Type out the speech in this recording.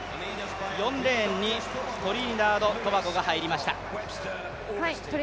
４レーンにトリニダード・トバゴが入りました。